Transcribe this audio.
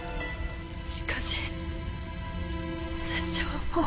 しかし拙者はもう